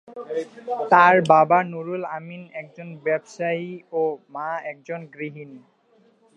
তার বাবা নুরুল আমিন একজন ব্যবসায়ী ও মা একজন গৃহিণী।